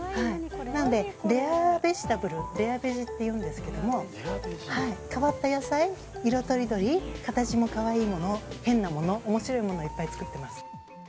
なのでレアベジタブルレアベジっていうんですけど変わった野菜、色とりどり形も可愛いもの、変なもの面白いものをいっぱい作っています。